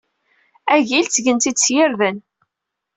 Agil ttgen-t-id s yirden.